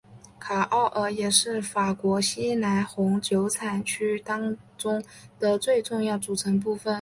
卡奥尔也是法国西南红酒产区当中的重要组成部分。